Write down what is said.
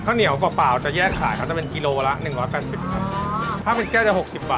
ข้าวเหนียวกว่าเปล่าจะแยกขายครับจะเป็นกิโลกรัมละ๑๘๐บาทครับ